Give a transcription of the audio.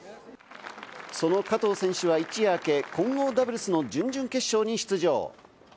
その加藤選手は一夜明け、混合ダブルスの準々決勝に出場。